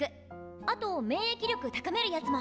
あと免疫力高めるヤツも！